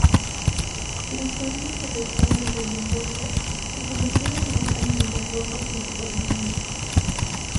Las armas del Estado de Brandeburgo se convirtieron en un águila roja sin ornamentos.